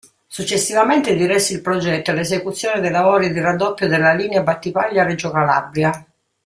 Successivamente diresse il progetto e l'esecuzione dei lavori di raddoppio della linea Battipaglia-Reggio Calabria.